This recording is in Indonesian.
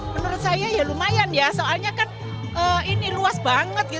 menurut saya ya lumayan ya soalnya kan ini luas banget